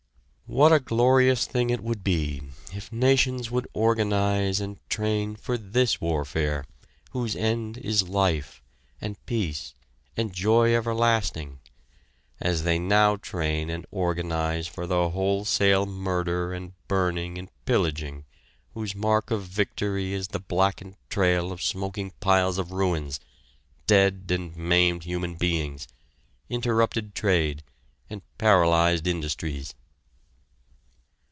What a glorious thing it would be if nations would organize and train for this warfare, whose end is life, and peace, and joy everlasting, as they now train and organize for the wholesale murder and burning and pillaging whose mark of victory is the blackened trail of smoking piles of ruins, dead and maimed human beings, interrupted trade and paralyzed industries!